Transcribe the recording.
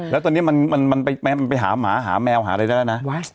แล้วตอนนี้มันไปหาหมาหาแมวหาอะไรได้แล้วนะ